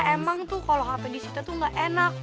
emang tuh kalo hape disita tuh gak enak